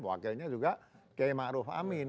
wakilnya juga kayak ma'ruf amin